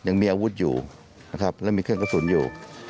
ยังมีอาวุธอยู่นะครับแล้วมีเครื่องกระสุนอยู่